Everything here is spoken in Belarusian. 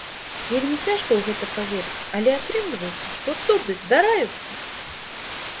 Вельмі цяжка ў гэта паверыць, але атрымліваецца, што цуды здараюцца!!!